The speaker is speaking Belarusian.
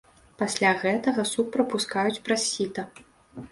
Пасля гэтага суп прапускаюць праз сіта.